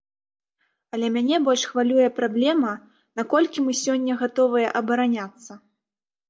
Але мяне больш хвалюе праблема, наколькі мы сёння гатовыя абараняцца?